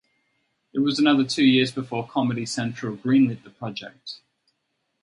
It was another two years before Comedy Central greenlit the project.